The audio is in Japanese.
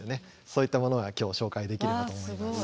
そういったものが今日紹介できると思います。